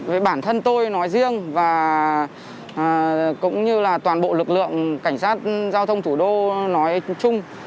với bản thân tôi nói riêng và cũng như là toàn bộ lực lượng cảnh sát giao thông thủ đô nói chung